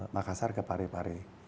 makassar ke pare pare